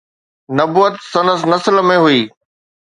نبوت سندس نسل ۾ هئي.